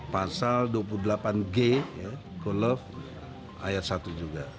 pasal dua puluh delapan g golf ayat satu juga